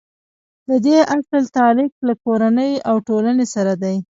د دې اصل تعلق له کورنۍ او ټولنې سره دی.